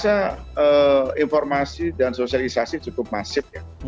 saya rasa informasi dan sosialisasi cukup masif ya